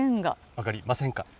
分かりませんか？